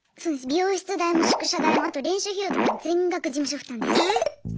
美容室代も宿舎代もあと練習費用とかも全額事務所負担です。